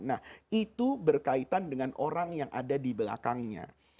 nah itu berkaitan dengan orang yang ada di belakangnya